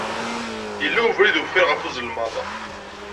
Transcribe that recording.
Yella webrid uffir ɣef uzelmaḍ.